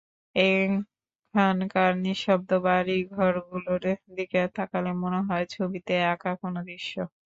এখানকার নিঃশব্দ বাড়ি ঘরগুলোর দিকে তাকালে মনে হয়, ছবিতে আঁকা কোনো দৃশ্য।